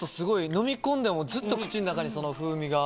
飲み込んでもずっと口の中にその風味が。